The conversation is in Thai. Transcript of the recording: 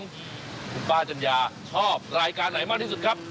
คุณป้าจัญญาชอบรายการไหนมากที่สุดครับ